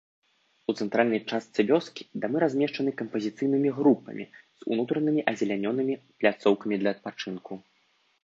У цэнтральнай частцы вёскі дамы размешчаныя кампазіцыйнымі групамі з унутранымі азялененымі пляцоўкамі для адпачынку.